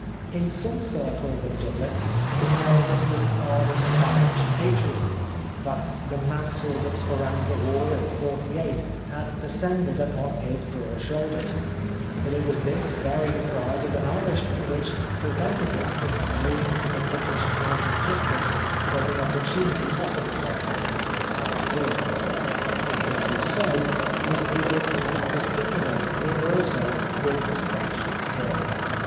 In some circles in Dublin it is held that he was an ardent Irish patriot, that the mantle that Speranza wore in '48 had descended upon his broad shoulders, that it was this very pride as an Irishman which prevented him from fleeing from a British Court of Justice when the opportunity offered itself to him so to do. If this was so he was able to dissimulate here also with astonishing skill.